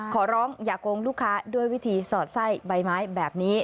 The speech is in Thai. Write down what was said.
ขอร้องอย่าโกงลูกค้าด้วยวิธีสอดไส้ใบไม้แบบนี้